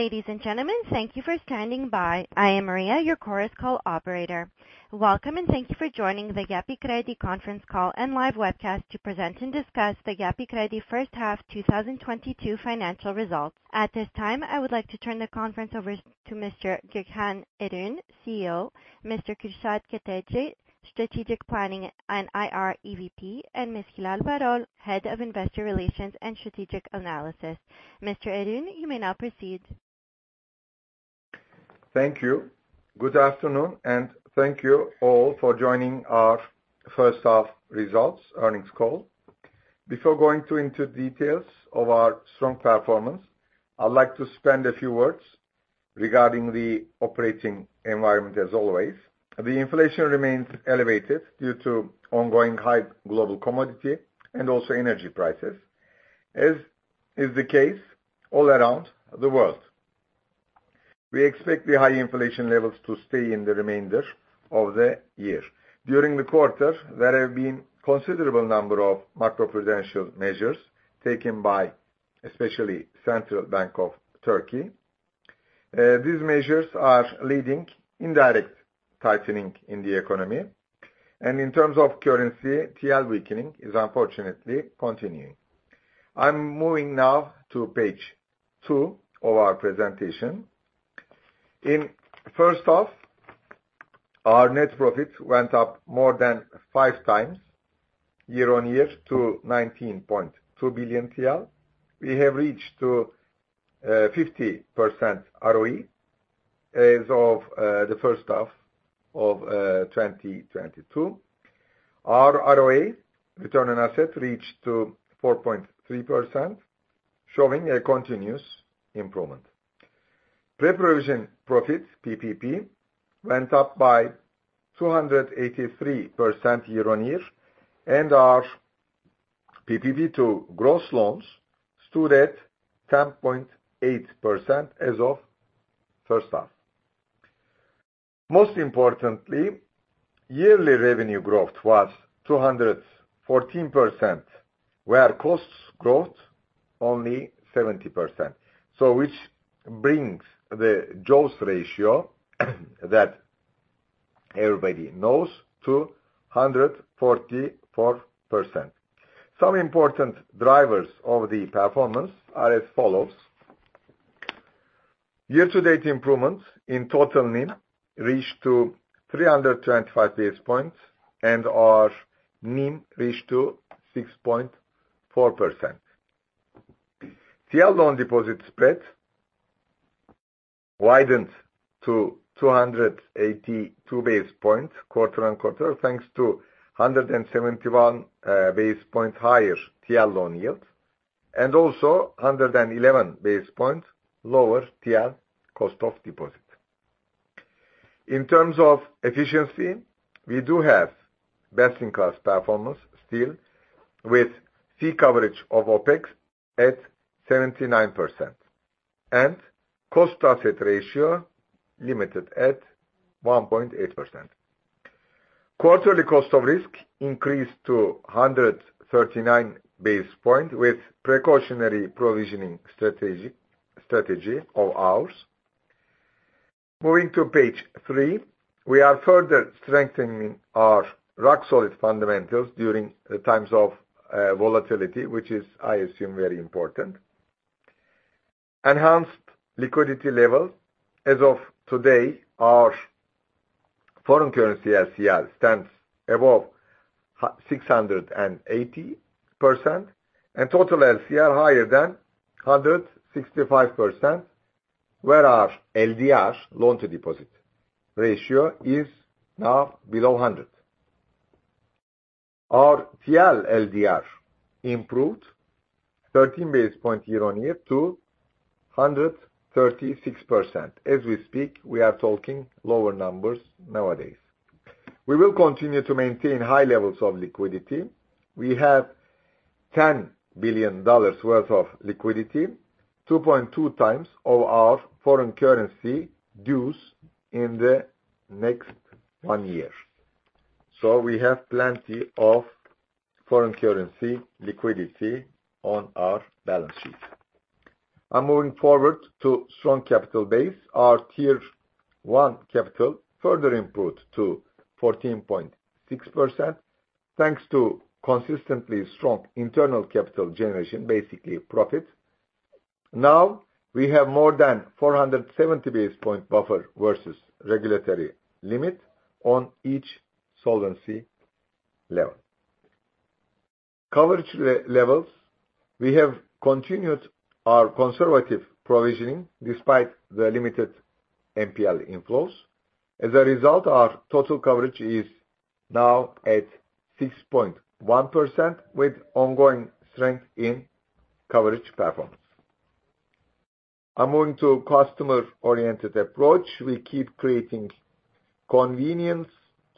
Ladies and gentlemen, thank you for standing by. I am Maria, your Chorus Call operator. Welcome, and thank you for joining the Yapı Kredi conference call and live webcast to present and discuss the Yapı Kredi first half 2022 financial results. At this time, I would like to turn the conference over to Mr. Gökhan Erün, CEO, Mr. Kürşad Keteci, Strategic Planning and IR EVP, and Ms. Hilal Varol, Head of Investor Relations and Strategic Analysis. Mr. Erün, you may now proceed. Thank you. Good afternoon, and thank you all for joining our first half results earnings call. Before going into details of our strong performance, I'd like to spend a few words regarding the operating environment as always. The inflation remains elevated due to ongoing high global commodity and also energy prices, as is the case all around the world. We expect the high inflation levels to stay in the remainder of the year. During the quarter, there have been considerable number of macroprudential measures taken by especially Central Bank of Turkey. These measures are leading indirect tightening in the economy. In terms of currency, TL weakening is unfortunately continuing. I'm moving now to page two of our presentation. In first half, our net profit went up more than 5x year-on-year to 19.2 billion TL. We have reached to 50% ROE as of the first half of 2022. Our ROE, return on assets, reached to 4.3%, showing a continuous improvement. Pre-provision profit, PPP, went up by 283% year-on-year, and our provisions to gross loans stood at 10.8% as of first half. Most importantly, yearly revenue growth was 214%, while costs growth only 70%. Which brings the jaws ratio that everybody knows to 144%. Some important drivers of the performance are as follows. Year-to-date improvements in total NIM reached to 325 basis points, and our NIM reached to 6.4%. TL loan deposit spread widened to 282 basis points quarter-on-quarter, thanks to 171 basis point higher TL loan yield and also 111 basis point lower TL cost of deposit. In terms of efficiency, we do have best-in-class performance still, with fee coverage of OpEx at 79% and cost-to-asset ratio limited at 1.8%. Quarterly cost of risk increased to 139 basis points with precautionary provisioning strategy of ours. Moving to page three, we are further strengthening our rock-solid fundamentals during times of volatility, which is, I assume, very important. Enhanced liquidity levels. As of today, our foreign currency LCR stands above 680%, and total LCR higher than 165%, where our LDR, loan-to-deposit ratio, is now below 100. Our TL LDR improved 13 basis points year-on-year to 136%. As we speak, we are talking lower numbers nowadays. We will continue to maintain high levels of liquidity. We have $10 billion worth of liquidity, 2.2x of our foreign currency dues in the next one year. We have plenty of foreign currency liquidity on our balance sheet. I'm moving forward to strong capital base. Our Tier 1 capital further improved to 14.6%, thanks to consistently strong internal capital generation, basically profit. We have more than 470 basis points buffer versus regulatory limit on each solvency level. Coverage levels. We have continued our conservative provisioning despite the limited NPL inflows. As a result, our total coverage is now at 6.1% with ongoing strength in coverage performance. I'm moving to customer-oriented approach. We keep creating convenience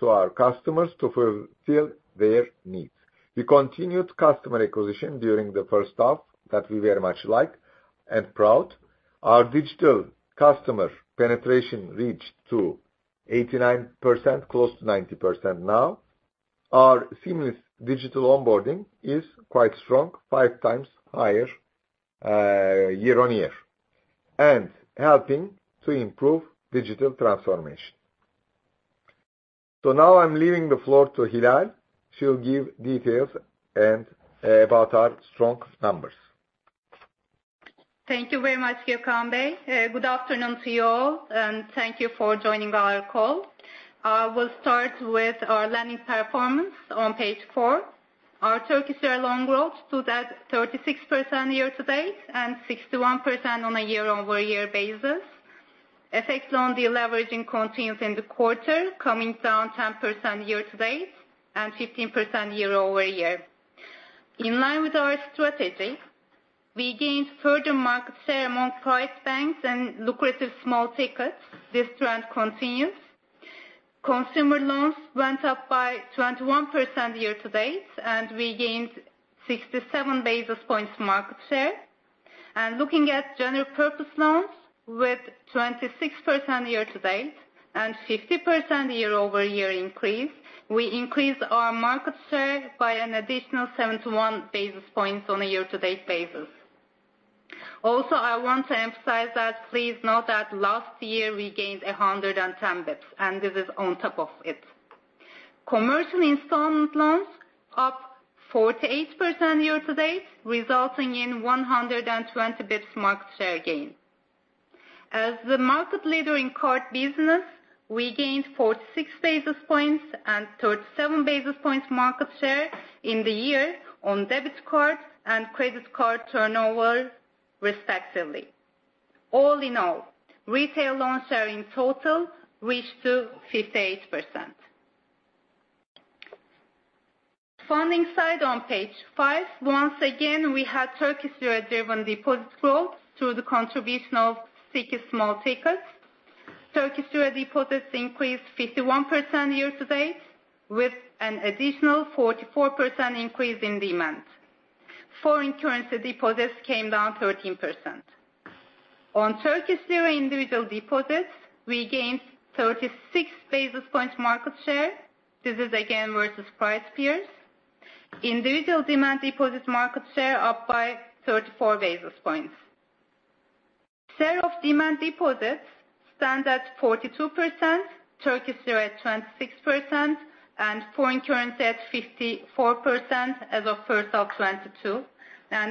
to our customers to fulfill their needs. We continued customer acquisition during the first half that we very much like and proud. Our digital customer penetration reached to 89%, close to 90% now. Our seamless digital onboarding is quite strong, 5x higher year-on-year, and helping to improve digital transformation. Now I'm leaving the floor to Hilal. She'll give details and about our strong numbers. Thank you very much, Gökhan Bey. Good afternoon to you all, and thank you for joining our call. We'll start with our lending performance on page four. Our Turkish lira loan growth stood at 36% year-to-date, and 61% on a year-over-year basis. FX loan deleveraging continues in the quarter, coming down 10% year-to-date and 15% year-over-year. In line with our strategy, we gained further market share among private banks and lucrative small tickets. This trend continues. Consumer loans went up by 21% year-to-date, and we gained 67 basis points market share. Looking at general purpose loans with 26% year-to-date and 50% year-over-year increase, we increased our market share by an additional 71 basis points on a year-to-date basis. I want to emphasize that please note that last year we gained 110 bps, and this is on top of it. Commercial installment loans up 48% year to date, resulting in 120 bps market share gain. As the market leader in card business, we gained 46 basis points and 37 basis points market share in the year on debit card and credit card turnover respectively. All in all, retail loan share in total reached 58%. Funding side on page five. Once again, we had Turkish lira-driven deposit growth through the contribution of Turkish small tickets. Turkish lira deposits increased 51% year to date with an additional 44% increase in demand. Foreign currency deposits came down 13%. On Turkish lira individual deposits, we gained 36 basis points market share. This is again versus private peers. Individual demand deposits market share up by 34 basis points. Share of demand deposits stand at 42%, Turkish lira at 26%, and foreign currency at 54% as of first half 2022.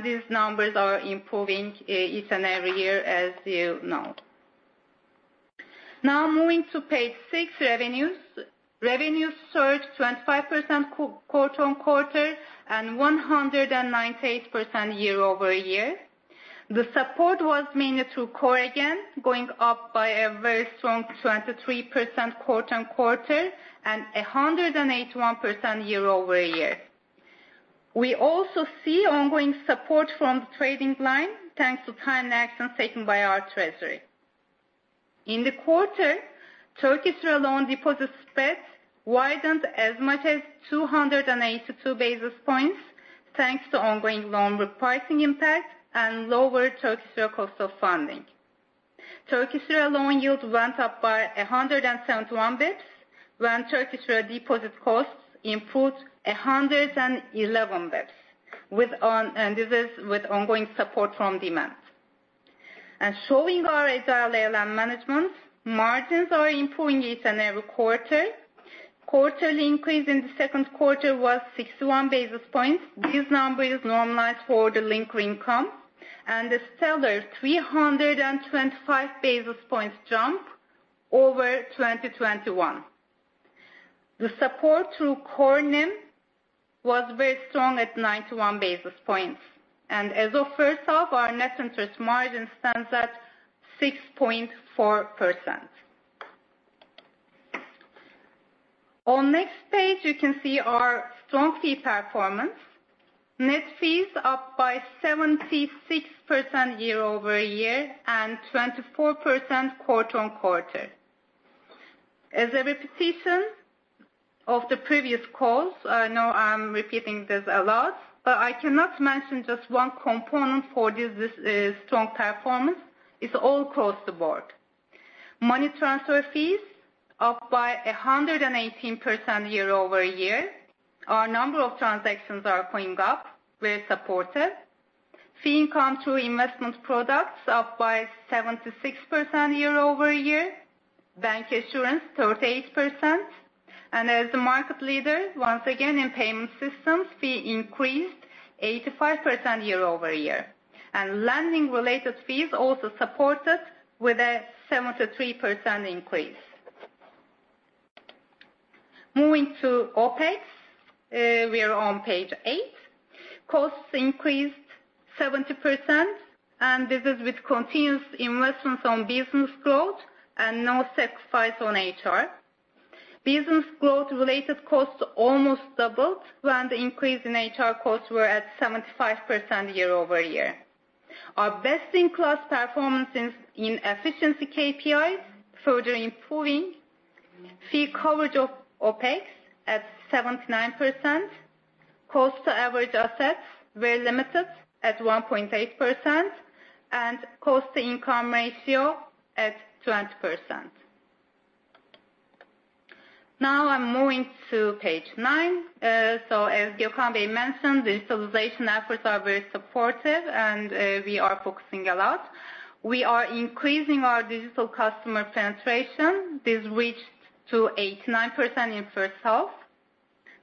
These numbers are improving each and every year, as you know. Now moving to page six, revenues. Revenues surged 25% quarter-over-quarter and 198% year-over-year. The support was mainly through core, again, going up by a very strong 23% quarter-over-quarter and 181% year-over-year. We also see ongoing support from the trading line, thanks to timely action taken by our treasury. In the quarter, Turkish lira loan deposit spread widened as much as 282 basis points, thanks to ongoing loan repricing impact and lower Turkish lira cost of funding. Turkish lira loan yields went up by 171 bps, when Turkish lira deposit costs improved 111 bps with ongoing support from demand. Showing our agile ALM management, margins are improving each and every quarter. Quarterly increase in the second quarter was 61 basis points. This number is normalized for the linked income and a stellar 325 basis points jump over 2021. The support through core NIM was very strong at 91 basis points. As of first half, our net interest margin stands at 6.4%. On next page, you can see our strong fee performance. Net fees up by 76% year-over-year and 24% quarter-over-quarter. As a repetition of the previous calls, I know I'm repeating this a lot, but I cannot mention just one component for this. This is strong performance. It's all across the board. Money transfer fees up by 118% year-over-year. Our number of transactions are going up, very supportive. Fee income through investment products up by 76% year-over-year. Bank assurance, 38%. As the market leader, once again in payment systems, fee increased 85% year-over-year. Lending related fees also supported with a 73% increase. Moving to OpEx, we are on page eight. Costs increased 70% and this is with continuous investments on business growth and no sacrifice on HR. Business growth-related costs almost doubled when the increase in HR costs were at 75% year-over-year. Our best-in-class performances in efficiency KPIs further improving. Fee coverage of OpEx at 79%. Cost to average assets were limited at 1.8% and cost to income ratio at 20%. Now I'm moving to page nine. As Gökhan Bey mentioned, the installment efforts are very supportive and we are focusing a lot. We are increasing our digital customer penetration. This reached to 89% in first half.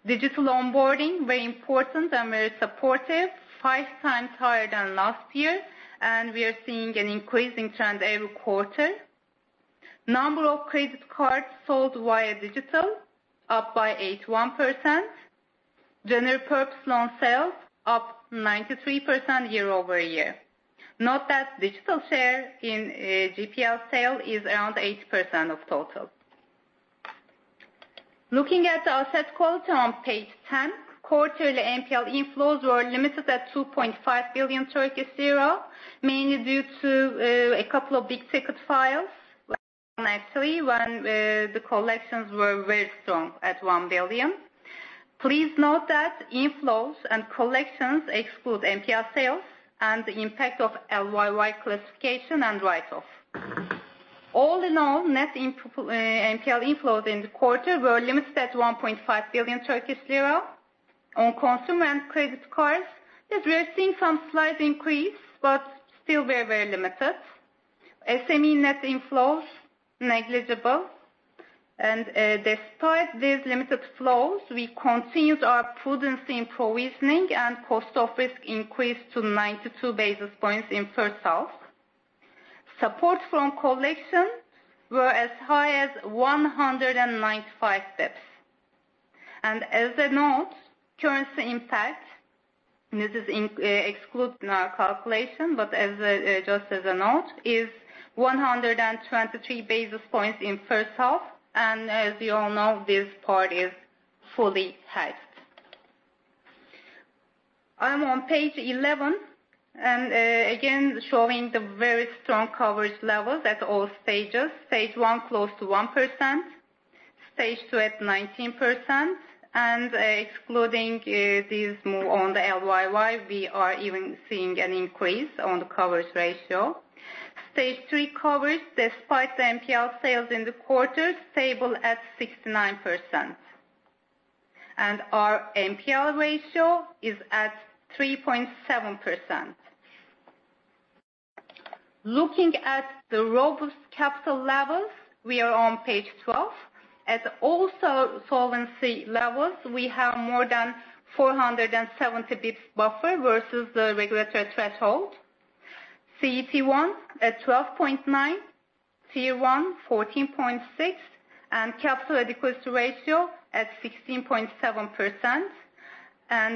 Digital onboarding, very important and very supportive, 5x higher than last year, and we are seeing an increasing trend every quarter. Number of credit cards sold via digital up by 81%. General purpose loan sales up 93% year-over-year. Note that digital share in GPL sale is around 8% of total. Looking at asset quality on page 10, quarterly NPL inflows were limited at 2.5 billion, mainly due to a couple of big ticket files when the collections were very strong at 1 billion. Please note that inflows and collections exclude NPL sales and the impact of LYY classification and write-off. All in all, net NPL inflows in the quarter were limited at 1.5 billion Turkish lira. On consumer and credit cards, yes, we are seeing some slight increase, but still very, very limited. SME net inflows negligible. Despite these limited flows, we continued our prudence in provisioning and cost of risk increased to 92 basis points in first half. Support from collections were as high as 195 basis points. As a note, currency impact, this is FX excluding our calculation, but just as a note, is 123 basis points in first half. As you all know, this part is fully hedged. I'm on page 11 and again, showing the very strong coverage levels at all stages. Stage 1, close to 1%. Stage 2 at 19%. Excluding this move on the LYY, we are even seeing an increase on the coverage ratio. Stage 3 coverage despite the NPL sales in the quarter stable at 69%. Our NPL ratio is at 3.7%. Looking at the robust capital levels, we are on page 12. Overall solvency levels, we have more than 470 basis points buffer versus the regulatory threshold. CET1 at 12.9%. CAR, 14.6%. Capital adequacy ratio at 16.7%.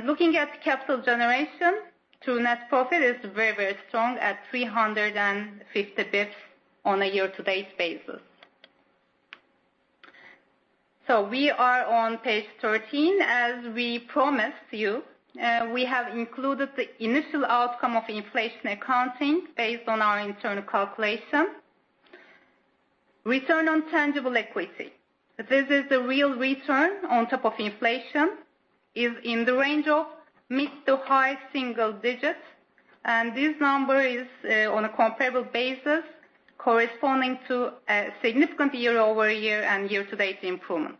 Looking at capital generation through net profit is very, very strong at 350 bps on a year-to-date basis. We are on page 13. As we promised you, we have included the initial outcome of inflation accounting based on our internal calculation. Return on tangible equity. This is the real return on top of inflation, is in the range of mid to high single digits. This number is, on a comparable basis corresponding to a significant year-over-year and year-to-date improvement.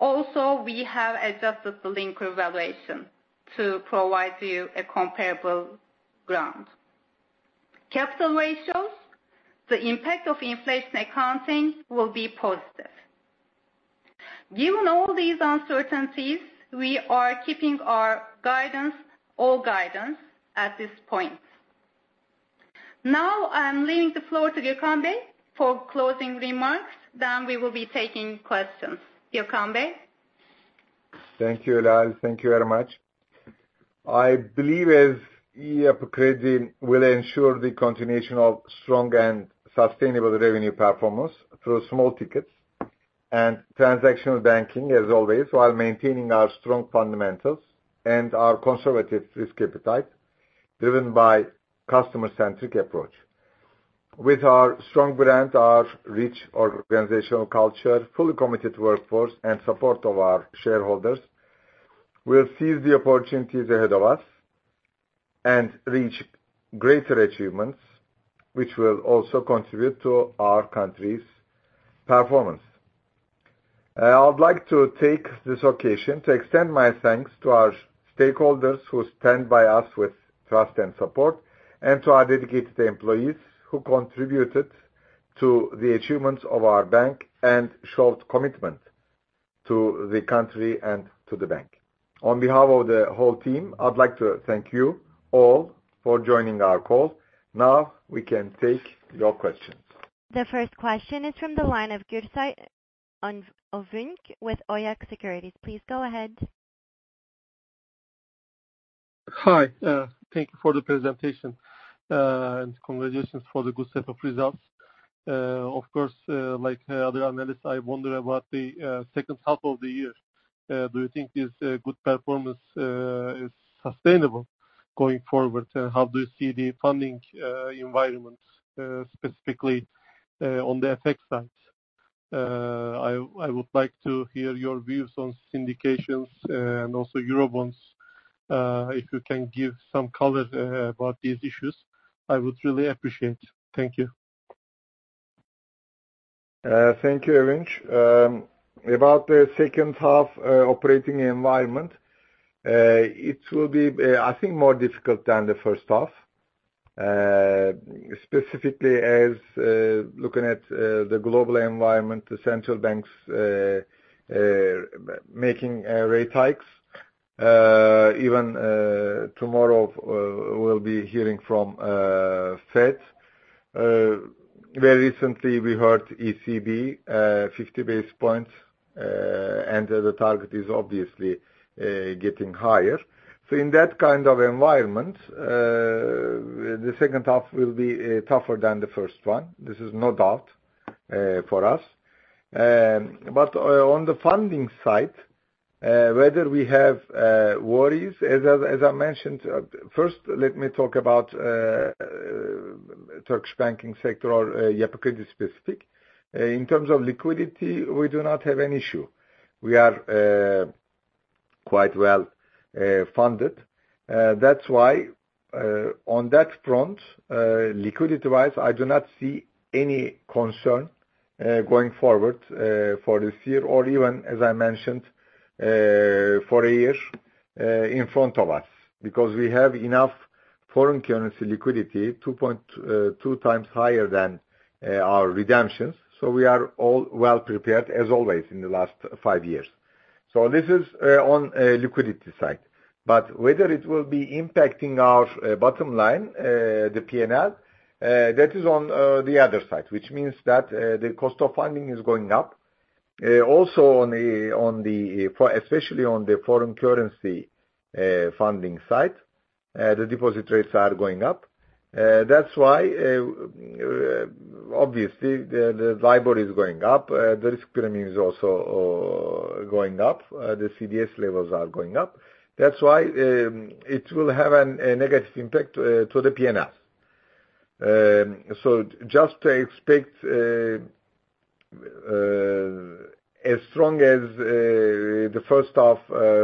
Also, we have adjusted the linkers revaluation to provide you a comparable ground. Capital ratios, the impact of inflation accounting will be positive. Given all these uncertainties, we are keeping our guidance, all guidance at this point. Now I'm leaving the floor to Gökhan Bey for closing remarks, then we will be taking questions. Gökhan Bey. Thank you, Hilal. Thank you very much. I believe as Yapı Kredi will ensure the continuation of strong and sustainable revenue performance through small tickets and transactional banking as always, while maintaining our strong fundamentals and our conservative risk appetite driven by customer-centric approach. With our strong brand, our rich organizational culture, fully committed workforce and support of our shareholders, we'll seize the opportunities ahead of us and reach greater achievements, which will also contribute to our country's performance. I would like to take this occasion to extend my thanks to our stakeholders who stand by us with trust and support, and to our dedicated employees who contributed to the achievements of our bank and showed commitment to the country and to the bank. On behalf of the whole team, I'd like to thank you all for joining our call. Now we can take your questions. The first question is from the line of Gürsoy Övünc with Oyak Securities. Please go ahead. Hi, thank you for the presentation, and congratulations for the good set of results. Of course, like other analysts, I wonder about the second half of the year. Do you think this good performance is sustainable going forward? How do you see the funding environment, specifically on the FX side? I would like to hear your views on syndications, and also Eurobonds. If you can give some color about these issues, I would really appreciate. Thank you. Thank you, Övünc. About the second half operating environment, it will be, I think, more difficult than the first half. Specifically as looking at the global environment, the central banks making rate hikes. Even tomorrow, we'll be hearing from Fed. Very recently we heard ECB 50 basis points, and the target is obviously getting higher. In that kind of environment, the second half will be tougher than the first one. This is no doubt for us. On the funding side, whether we have worries, as I mentioned. First, let me talk about Turkish banking sector or Yapı Kredi specific. In terms of liquidity, we do not have an issue. We are quite well funded. That's why, on that front, liquidity-wise, I do not see any concern going forward for this year or even, as I mentioned, for a year in front of us. Because we have enough foreign currency liquidity, 2.2x higher than our redemptions, so we are all well prepared as always in the last five years. This is on liquidity side. Whether it will be impacting our bottom line, the P&L, that is on the other side, which means that the cost of funding is going up. Also, especially on the foreign currency funding side, the deposit rates are going up. That's why, obviously, the LIBOR is going up. The risk premium is also going up. The CDS levels are going up. That's why it will have a negative impact to the P&L. Just expect not as strong as the first half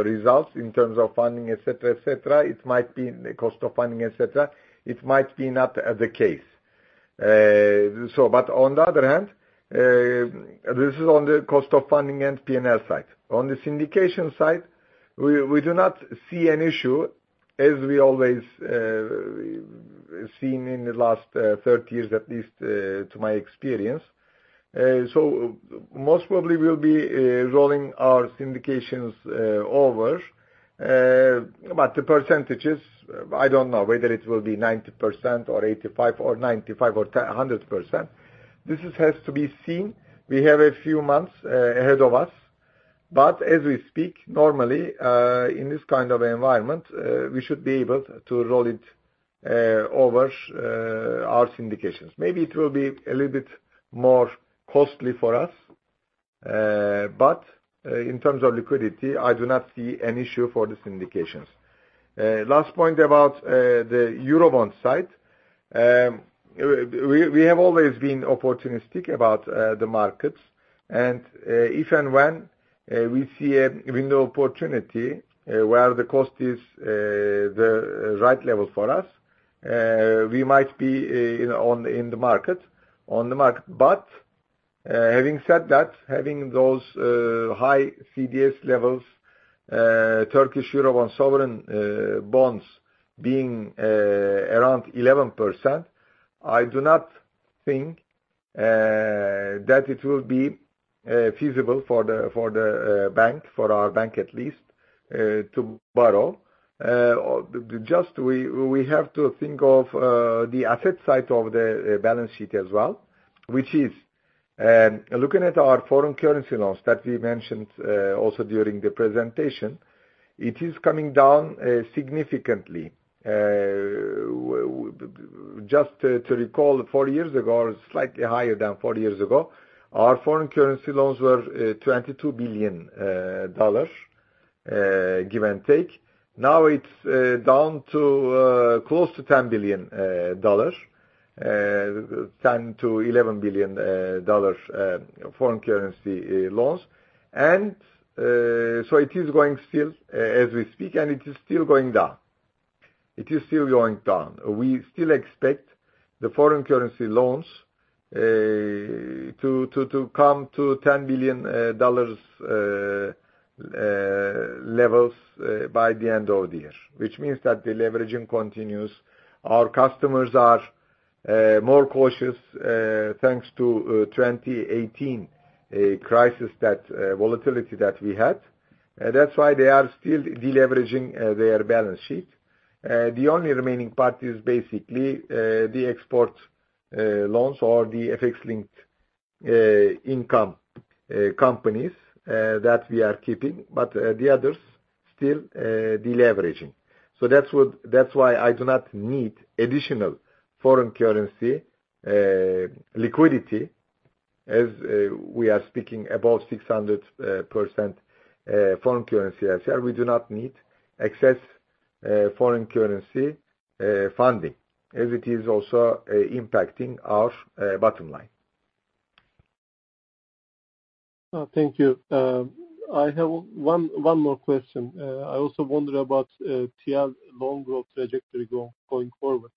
results in terms of funding, et cetera, et cetera. It might be the cost of funding, et cetera. It might not be the case. On the other hand, this is on the cost of funding and P&L side. On the syndication side, we do not see an issue as we always seen in the last 30 years, at least to my experience. Most probably we'll be rolling our syndications over. The percentages, I don't know whether it will be 90% or 85% or 95% or 100%. This has to be seen. We have a few months ahead of us. As we speak, normally, in this kind of environment, we should be able to roll it over our syndications. Maybe it will be a little bit more costly for us. In terms of liquidity, I do not see an issue for the syndications. Last point about the Eurobond side. We have always been opportunistic about the markets. If and when we see a window opportunity where the cost is the right level for us, we might be, you know, on the market. Having said that, having those high CDS levels, Turkish Eurobond sovereign bonds being around 11%, I do not think that it will be feasible for the bank, for our bank at least, to borrow. Just, we have to think of the asset side of the balance sheet as well, which is looking at our foreign currency loans that we mentioned also during the presentation, it is coming down significantly. Just to recall, four years ago, or slightly higher than four years ago, our foreign currency loans were $22 billion, give and take. Now it's down to close to $10 billion, $10 billion-$11 billion foreign currency loans. It is going still as we speak, and it is still going down. We still expect the foreign currency loans to come to $10 billion levels by the end of the year, which means that the leveraging continues. Our customers are more cautious thanks to the 2018 crisis, that volatility that we had. That's why they are still deleveraging their balance sheet. The only remaining part is basically the export loans or the FX-linked income companies that we are keeping, but the others still deleveraging. That's why I do not need additional foreign currency liquidity as we are speaking above 600% foreign currency ourselves. We do not need excess foreign currency funding as it is also impacting our bottom line. Thank you. I have one more question. I also wonder about TL loan growth trajectory going forward.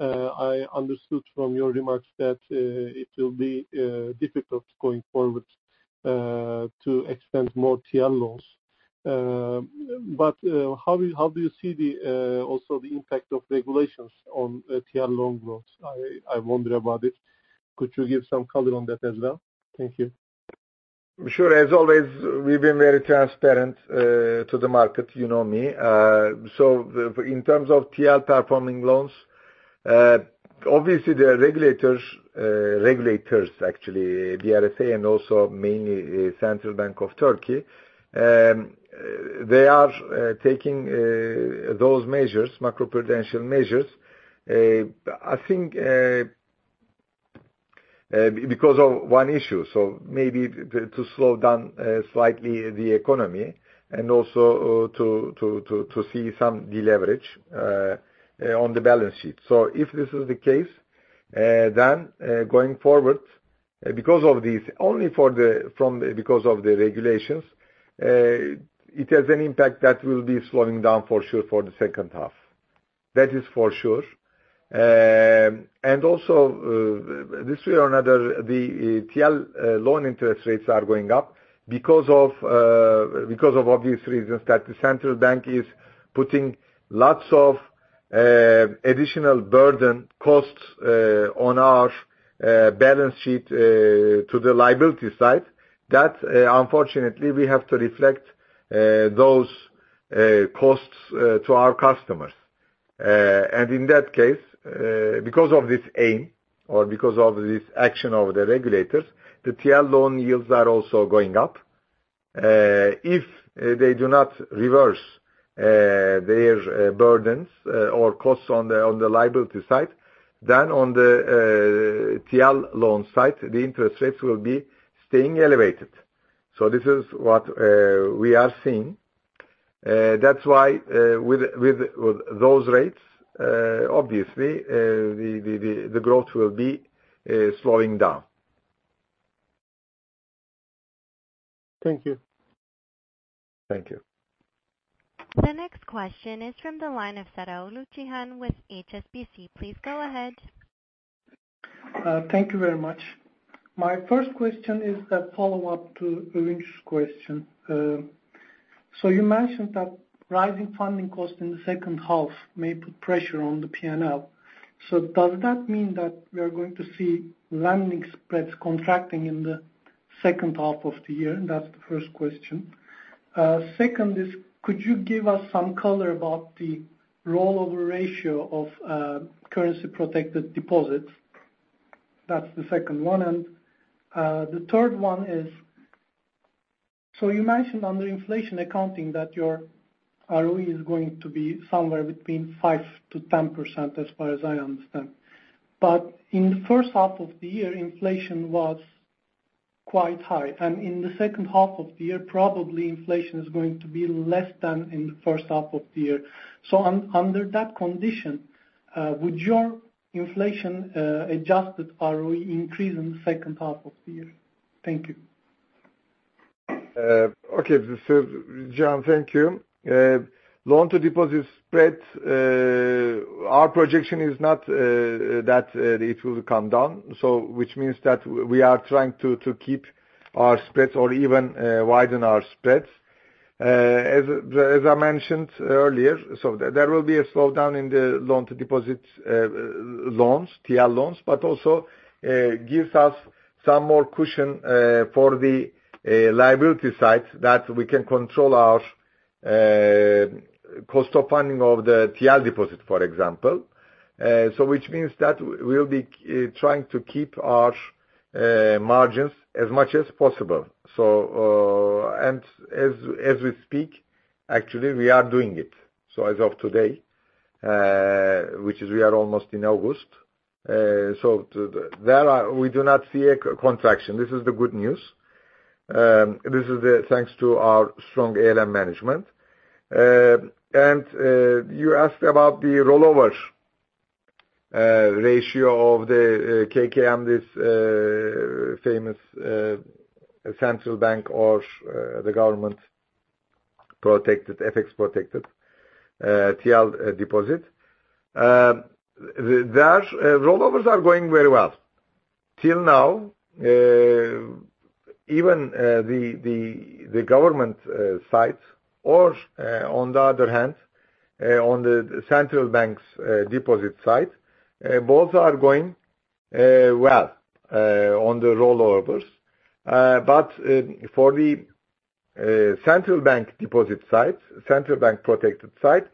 I understood from your remarks that it will be difficult going forward to extend more TL loans. But how do you see also the impact of regulations on TL loan growth? I wonder about it. Could you give some color on that as well? Thank you. Sure. As always, we've been very transparent to the market. You know me. In terms of TL performing loans, obviously there are regulators actually, the BRSA and also mainly Central Bank of Turkey. They are taking those measures, macroprudential measures. I think because of one issue, maybe to slow down slightly the economy and also to see some deleverage on the balance sheet. If this is the case, then going forward, because of this, because of the regulations, it has an impact that will be slowing down for sure for the second half. That is for sure. This way or another, the TL loan interest rates are going up because of obvious reasons that the central bank is putting lots of additional burden costs on our balance sheet to the liability side, that unfortunately we have to reflect those costs to our customers. In that case, because of this aim or because of this action of the regulators, the TL loan yields are also going up. If they do not reverse their burdens or costs on the liability side, then on the TL loan side, the interest rates will be staying elevated. This is what we are seeing. That's why, with those rates, obviously, the growth will be slowing down. Thank you. Thank you. The next question is from the line of Cihan Saraç with HSBC. Please go ahead. Thank you very much. My first question is a follow-up to Övünc's question. You mentioned that rising funding costs in the second half may put pressure on the P&L. Does that mean that we are going to see lending spreads contracting in the second half of the year? That's the first question. Second, could you give us some color about the rollover ratio of currency protected deposits? That's the second one. The third one is, you mentioned under inflation accounting that your ROE is going to be somewhere between 5%-10%, as far as I understand. In the first half of the year, inflation was quite high, and in the second half of the year, probably inflation is going to be less than in the first half of the year. Under that condition, would your inflation adjusted ROE increase in the second half of the year? Thank you. Okay. Cihan, thank you. Loan to deposit spread, our projection is not that it will come down. Which means that we are trying to keep our spreads or even widen our spreads. As I mentioned earlier, there will be a slowdown in the loan to deposit loans, TL loans, but also gives us some more cushion for the liability side that we can control our cost of funding of the TL deposit, for example. Which means that we'll be trying to keep our margins as much as possible. And as we speak, actually, we are doing it. As of today, which is we are almost in August. We do not see a contraction. This is the good news. This is thanks to our strong ALM management. You asked about the rollover ratio of the KKM, this famous central bank or the government protected, FX protected TL deposit. The rollovers are going very well. Till now, even the government side, or on the other hand, on the central bank's deposit side, both are going well on the rollovers. For the central bank deposit side, central bank protected side,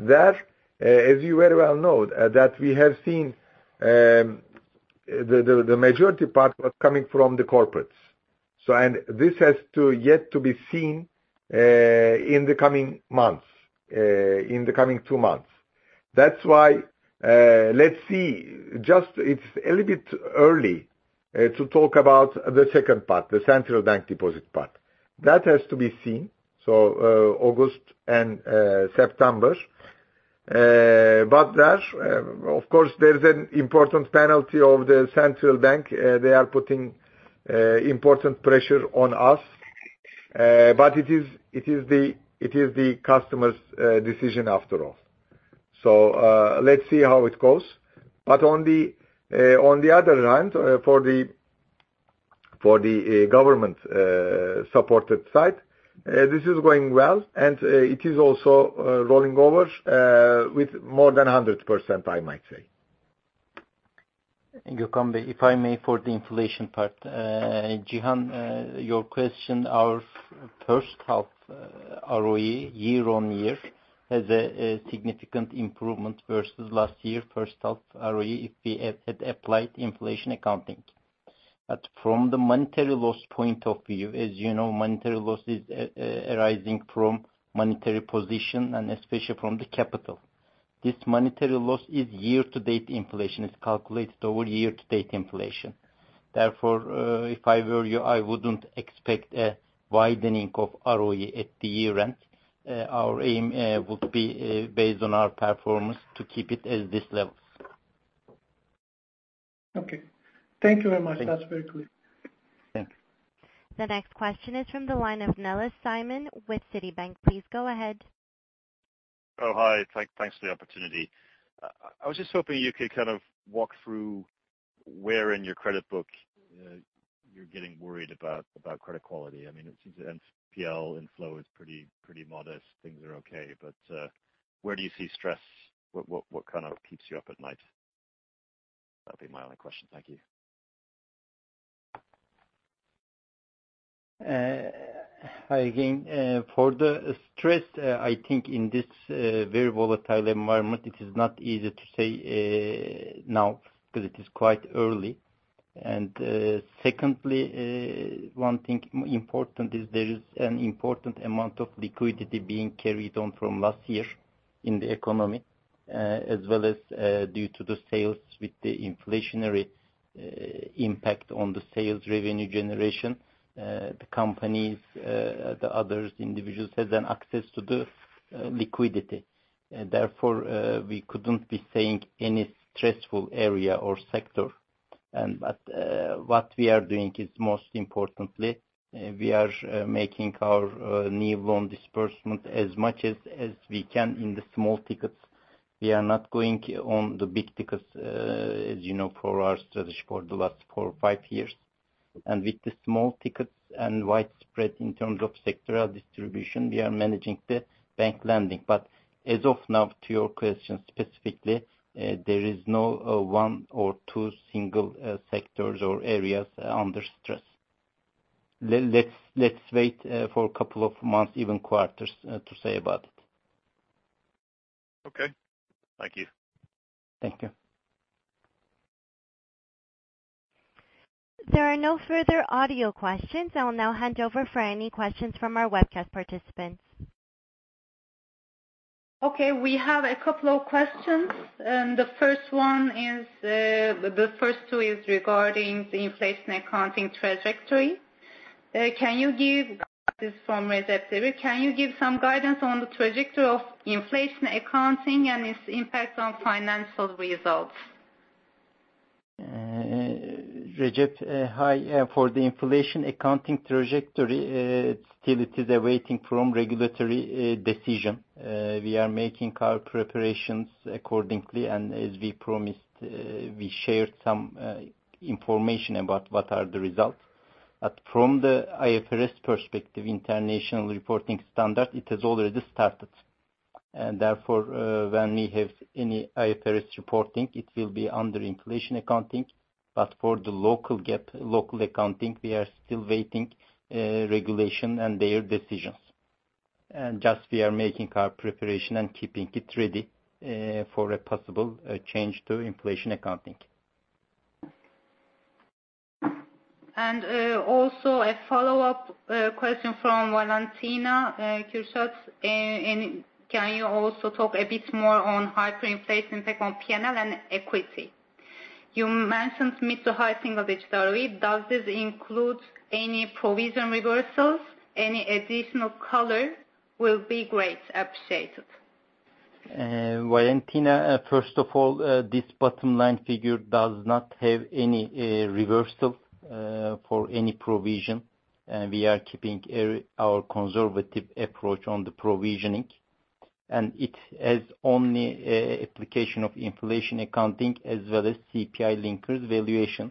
as you very well know, we have seen the majority part was coming from the corporates. This has yet to be seen in the coming months, in the coming two months. That's why, let's see. Just it's a little bit early to talk about the second part, the central bank deposit part. That has to be seen. August and September. That, of course, there's an important penalty of the central bank. They are putting important pressure on us. It is the customer's decision after all. Let's see how it goes. On the other hand, for the government supported side, this is going well, and it is also rolling over with more than 100%, I might say. Gökhan, if I may, for the inflation part. Cihan, your question, our first half ROE year-over-year has a significant improvement versus last year first half ROE if we had applied inflation accounting. From the monetary loss point of view, as you know, monetary loss is arising from monetary position and especially from the capital. This monetary loss is year-to-date inflation. It's calculated over year-to-date inflation. Therefore, if I were you, I wouldn't expect a widening of ROE at the year-end. Our aim would be, based on our performance, to keep it at these levels. Okay. Thank you very much. Thank you. That's very clear. Thank you. The next question is from the line of Simon Nellis with Citibank. Please go ahead. Oh, hi. Thanks for the opportunity. I was just hoping you could kind of walk through where in your credit book you're getting worried about credit quality. I mean, it seems NPL inflow is pretty modest. Things are okay. Where do you see stress? What kind of keeps you up at night? That'd be my only question. Thank you. Hi again. For the stress, I think in this very volatile environment, it is not easy to say now because it is quite early. Secondly, one thing important is there is an important amount of liquidity being carried on from last year in the economy, as well as due to the sales with the inflationary impact on the sales revenue generation. The companies, the others, individuals has an access to the liquidity. Therefore, we couldn't be saying any stressful area or sector. What we are doing is, most importantly, we are making our new loan disbursement as much as we can in the small tickets. We are not going on the big tickets, as you know, for our strategy for the last four or five years. With the small tickets and widespread in terms of sectoral distribution, we are managing the bank lending. As of now, to your question specifically, there is no one or two single sectors or areas under stress. Let's wait for a couple of months, even quarters, to say about it. Okay. Thank you. Thank you. There are no further audio questions. I'll now hand over for any questions from our webcast participants. Okay, we have a couple of questions. The first two is regarding the inflation accounting trajectory. Can you give this from Recep? Can you give some guidance on the trajectory of inflation accounting and its impact on financial results? Recep, hi. For the inflation accounting trajectory, still it is awaiting regulatory decision. We are making our preparations accordingly. As we promised, we shared some information about what are the results. From the IFRS perspective, international reporting standard, it has already started. Therefore, when we have any IFRS reporting, it will be under inflation accounting. For the local GAAP, local accounting, we are still waiting regulation and their decisions. Just we are making our preparation and keeping it ready for a possible change to inflation accounting. Also a follow-up question from Valentina Gontcharova. Can you also talk a bit more on hyperinflation impact on P&L and equity? You mentioned mid- to high-single-digit earlier. Does this include any provision reversals? Any additional color will be great. Appreciated. Valentina, first of all, this bottom line figure does not have any reversal for any provision. We are keeping our conservative approach on the provisioning, and it has only application of inflation accounting as well as CPI linkers valuation.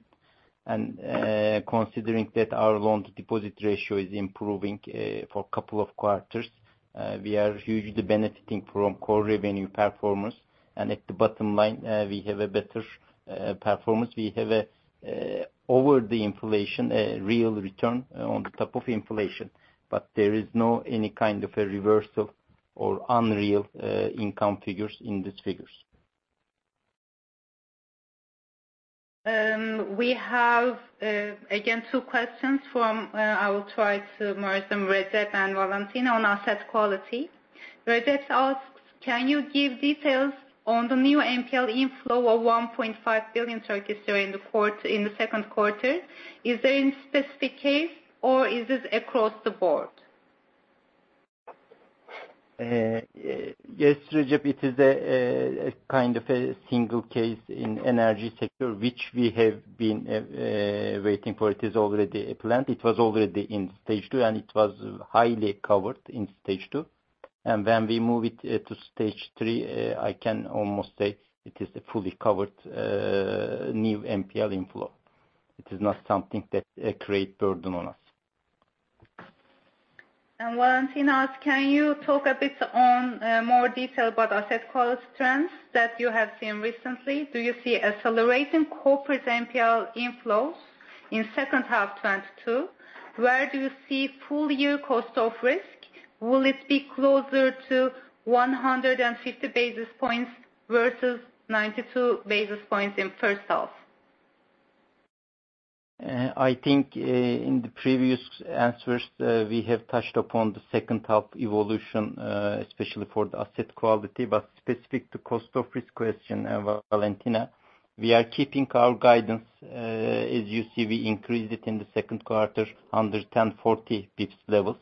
Considering that our loan to deposit ratio is improving for couple of quarters, we are hugely benefiting from core revenue performance. At the bottom line, we have a better performance. We have over the inflation, a real return on top of inflation. There is no any kind of a reversal or unrealized income figures in these figures. We have again two questions from. I will try to merge them, Recep and Valentina, on asset quality. Recep asks, "Can you give details on the new NPL inflow of 1.5 billion in the second quarter? Is there any specific case or is this across the board? Yes, Recep, it is a kind of a single case in energy sector which we have been waiting for. It is already planned. It was already in stage two, and it was highly covered in stage two. When we move it to stage three, I can almost say it is a fully covered new NPL inflow. It is not something that's a great burden on us. Valentina asks, "Can you talk a bit on more detail about asset quality trends that you have seen recently? Do you see accelerating corporate NPL inflows in second half 2022? Where do you see full year cost of risk? Will it be closer to 150 basis points versus 92 basis points in first half? I think, in the previous answers, we have touched upon the second half evolution, especially for the asset quality, but specific to cost of risk question, Valentina, we are keeping our guidance. As you see, we increased it in the second quarter under 104 bps levels.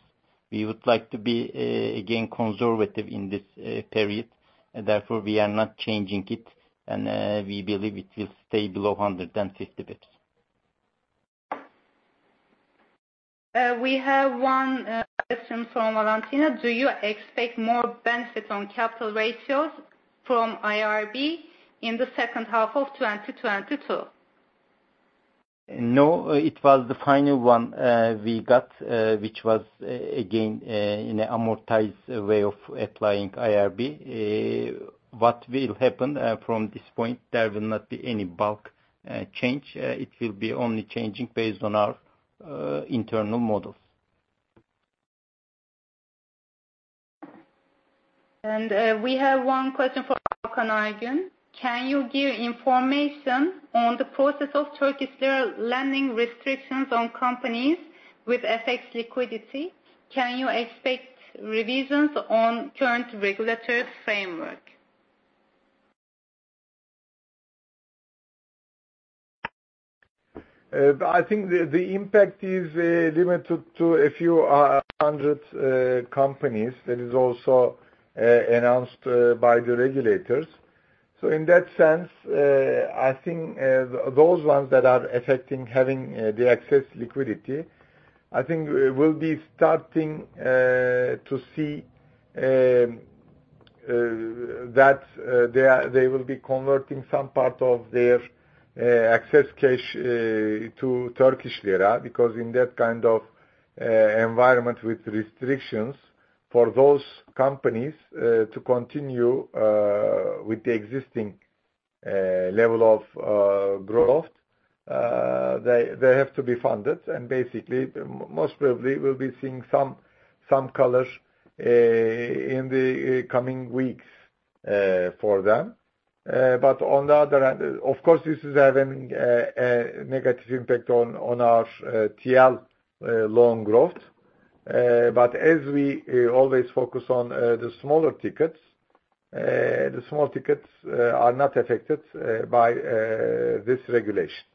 We would like to be, again, conservative in this, period, therefore we are not changing it, and, we believe it will stay below 150 bps. We have one question from Valentina: Do you expect more benefit on capital ratios from IRB in the second half of 2022? No, it was the final one we got, which was again in an amortized way of applying IRB. What will happen from this point, there will not be any bulk change. It will be only changing based on our internal models. We have one question from Hakan Aygün: Can you give information on the process of Turkish lira lending restrictions on companies with FX liquidity? Can you expect revisions on current regulatory framework? I think the impact is limited to a few hundred companies that is also announced by the regulators. In that sense, I think those ones that are affected having the excess liquidity, I think we will be starting to see that they will be converting some part of their excess cash to Turkish lira, because in that kind of environment with restrictions for those companies to continue with the existing level of growth, they have to be funded. Basically, most probably we'll be seeing some collars in the coming weeks for them. On the other hand, of course, this is having a negative impact on our TL loan growth. As we always focus on, the small tickets are not affected by this regulation.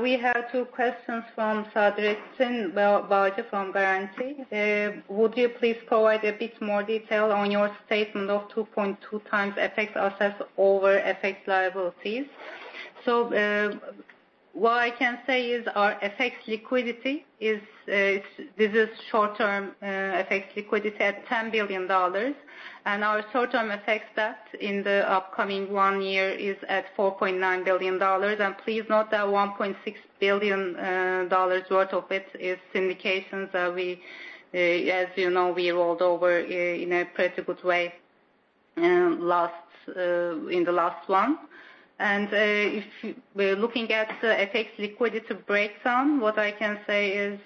We have two questions from Sadrettin Bağcı from Garanti. Would you please provide a bit more detail on your statement of 2.2x FX assets over FX liabilities? What I can say is our FX liquidity is short-term FX liquidity at $10 billion, and our short-term FX debt in the upcoming one year is at $4.9 billion. Please note that $1.6 billion worth of it is syndications that we, as you know, rolled over in a pretty good way in the last month. If we're looking at the FX liquidity breakdown, what I can say is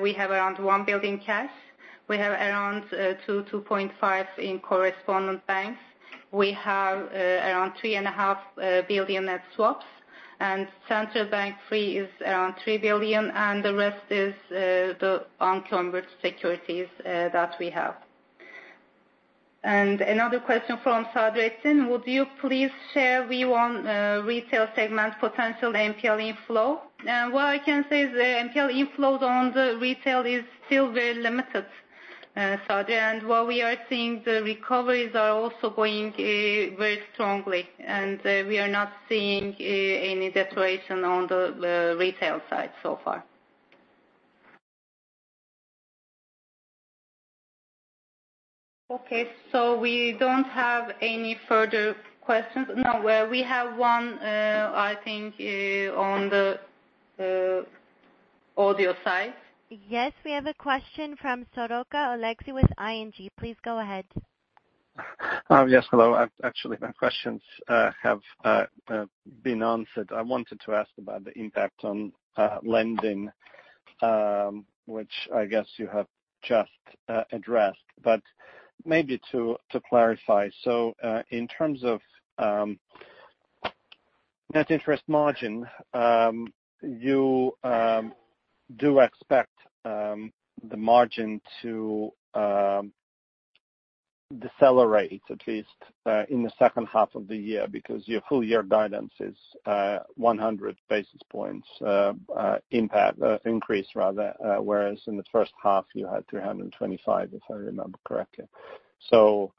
we have around $1 billion cash. We have around 2.5 in correspondent banks. We have around 3.5 billion at swaps, and Central Bank TRY is around 3 billion, and the rest is the onward securities that we have. Another question from Sadrettin: Would you please share view on retail segment potential NPL inflow? What I can say is the NPL inflows on the retail is still very limited, Sadri. What we are seeing, the recoveries are also going very strongly, and we are not seeing any deterioration on the retail side so far. Okay, we don't have any further questions. No, we have one, I think, on the audio side. Yes, we have a question from Oleksiy Soroka with ING. Please go ahead. Yes, hello. Actually, my questions have been answered. I wanted to ask about the impact on lending, which I guess you have just addressed. Maybe to clarify. In terms of net interest margin, you do expect the margin to decelerate at least in the second half of the year because your full year guidance is 100 basis points impact increase rather, whereas in the first half you had 325, if I remember correctly. It'll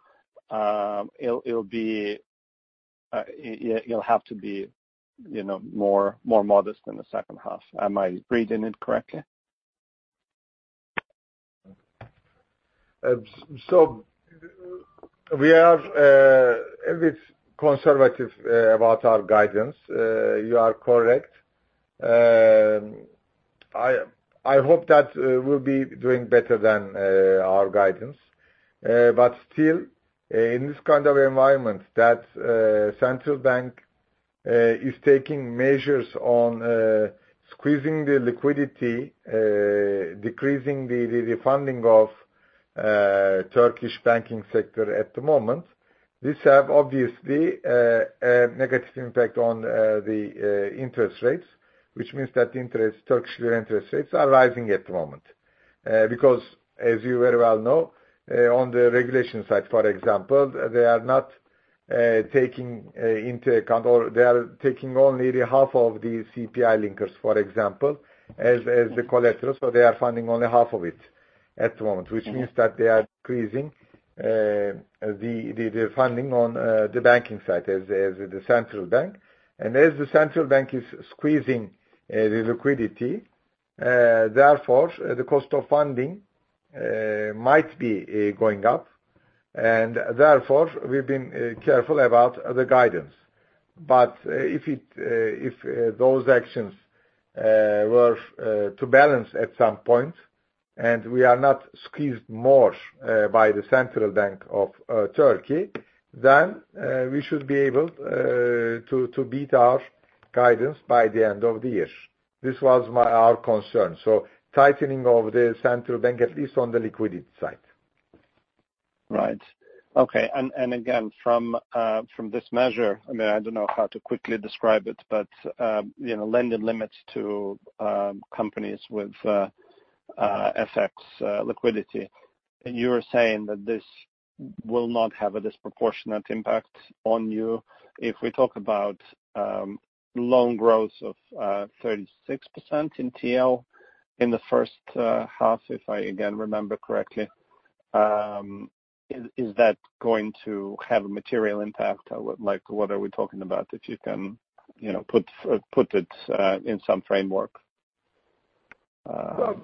be you'll have to be, you know, more modest in the second half. Am I reading it correctly? We are a bit conservative about our guidance. You are correct. I hope that we'll be doing better than our guidance. Still, in this kind of environment that Central Bank is taking measures on squeezing the liquidity, decreasing the funding of Turkish banking sector at the moment. This have obviously a negative impact on the interest rates, which means that interest, Turkish interest rates are rising at the moment. Because as you very well know, on the regulation side, for example, they are not taking into account or they are taking only the half of the CPI linkers, for example, as the collateral, so they are funding only half of it at the moment. Which means that they are decreasing the funding on the banking side as the central bank. As the central bank is squeezing the liquidity, therefore the cost of funding might be going up. Therefore we've been careful about the guidance. If those actions were to balance at some point and we are not squeezed more by the Central Bank of Turkey, then we should be able to beat our guidance by the end of the year. This was my, our concern. Tightening of the central bank, at least on the liquidity side. Right. Okay. Again, from this measure, I mean, I don't know how to quickly describe it, but you know, lending limits to companies with FX liquidity. You are saying that this will not have a disproportionate impact on you if we talk about loan growth of 36% in TL in the first half, if I again remember correctly. Is that going to have a material impact? Like what are we talking about? If you can, you know, put it in some framework. Well,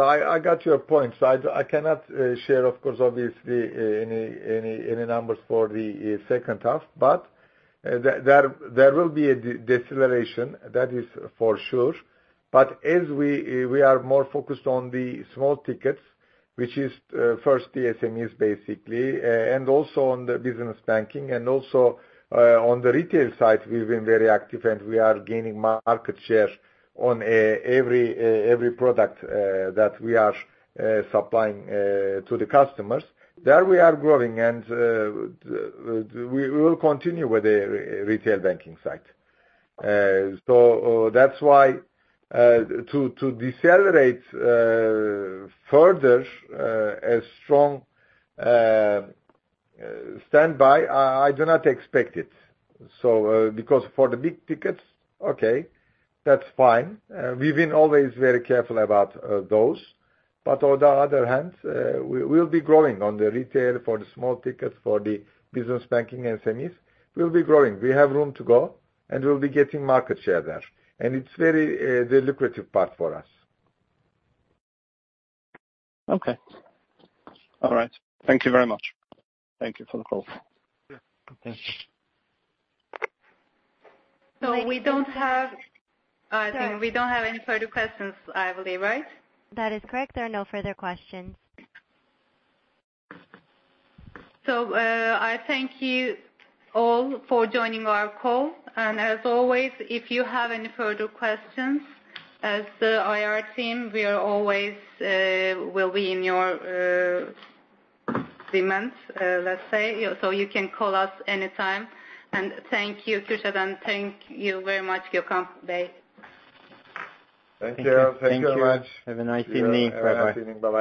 I got your point. I cannot share, of course, obviously, any numbers for the second half. There will be a deceleration, that is for sure. As we are more focused on the small tickets, which is first the SMEs basically, and also on the business banking and also on the retail side, we've been very active and we are gaining market share on every product that we are supplying to the customers. There we are growing and we will continue with the retail banking side. That's why, to decelerate further, a strong slowdown, I do not expect it. Because for the big tickets, okay, that's fine. We've been always very careful about those. On the other hand, we'll be growing in the retail for the small tickets, for the business banking SMEs, we'll be growing. We have room to grow, and we'll be getting market share there. It's the very lucrative part for us. Okay. All right. Thank you very much. Thank you for the call. Yeah. Okay. I think we don't have any further questions, I believe, right? That is correct. There are no further questions. I thank you all for joining our call. As always, if you have any further questions, the IR team will be at your disposal, let's say. You can call us anytime. Thank you, Kürşad. Thank you very much, Gökhan Bey. Thank you. Thank you. Thank you very much. Have a nice evening. Bye-bye. Have a nice evening. Bye-bye.